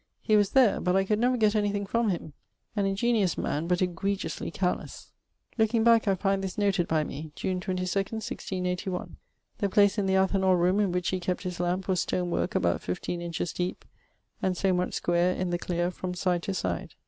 He was there, but I could never get anything from him: an ingeniose man, but egregiously carelesse. Looking back I find this noted by me June 22, 1681; the place in the Athanor roome in which he kept his lampe was stone work about 15 inches deep and so much square in the clear from side to side.